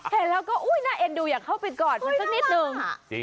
เห็นแล้วก็อุ๊ยน่าเอ็ดดูอย่างเข้าไปก่อนนิดนึง